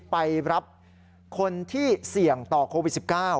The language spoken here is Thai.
ไปรับคนที่เสี่ยงต่อโควิด๑๙